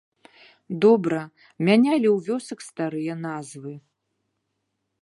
Добра, мянялі у вёсак старыя назвы.